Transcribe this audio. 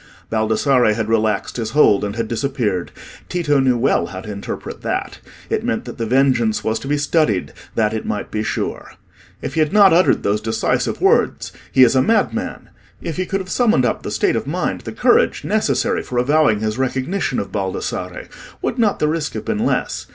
Baldassarre had relaxed his hold, and had disappeared. Tito knew well how to interpret that: it meant that the vengeance was to be studied that it might be sure. If he had not uttered those decisive words—"He is a madman"—if he could have summoned up the state of mind, the courage, necessary for avowing his recognition of Baldassarre, would not the risk have been less?